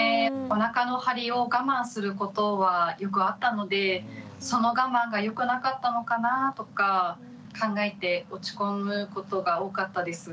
おなかの張りを我慢することはよくあったのでその我慢がよくなかったのかなとか考えて落ち込むことが多かったです。